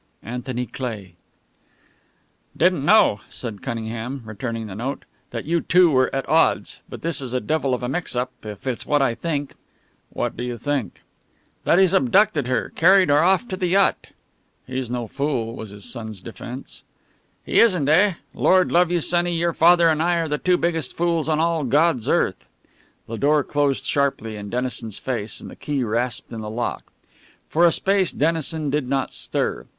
ANTHONY CLEIGH. "Didn't know," said Cunningham, returning the note, "that you two were at odds. But this is a devil of a mix up, if it's what I think." "What do you think?" "That he's abducted her carried her off to the yacht." "He's no fool," was the son's defense. "He isn't, eh? Lord love you, sonny, your father and I are the two biggest fools on all God's earth!" The door closed sharply in Dennison's face and the key rasped in the lock. For a space Dennison did not stir.